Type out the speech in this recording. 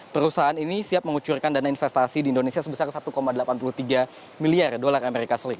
perusahaan ini siap mengucurkan dana investasi di indonesia sebesar satu delapan puluh tiga miliar dolar as